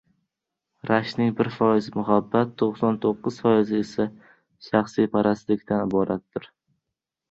Rashkning bir foizi muhabbat, to‘qson to‘qqiz foizi esa shaxsiyatparastlikdan iboratdir.